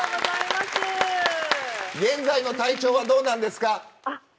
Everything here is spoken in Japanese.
現在の体調はどうなんですか。